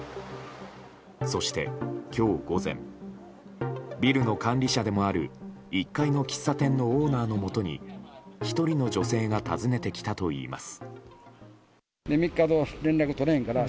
そして、今日午前ビルの管理者でもある１階の喫茶店のオーナーのもとに１人の女性が訪ねてきたといいます。